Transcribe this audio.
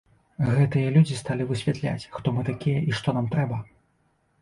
Гэтыя людзі сталі высвятляць, хто мы такія і што нам трэба.